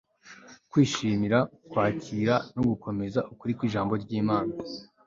kwishimira kwakira no gukomeza ukuri kw'ijambo ry'imana